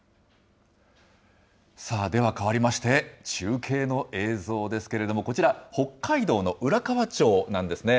では、変わりまして、中継の映像ですけれども、こちら、北海道の浦河町なんですね。